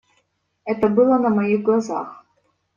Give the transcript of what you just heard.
Это было на моих глазах.